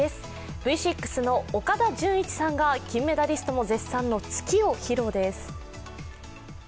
Ｖ６の岡田准一さんが金メダリストも絶賛の突きを披露です。